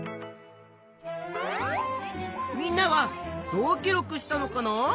みんなはどう記録したのかな？